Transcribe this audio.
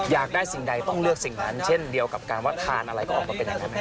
อยากได้สิ่งใดต้องเลือกสิ่งนั้นเช่นเดียวกับการว่าทานอะไรก็ออกมาเป็นอย่างนั้น